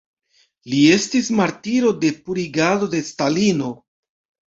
Li estis martiro de purigado de Stalino.